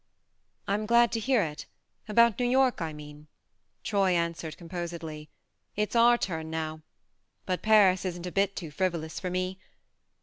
I'm glad to hear it about New York, I mean," Troy answered com posedly. "It's our turn now. But Paris isn't a bit too frivolous for me.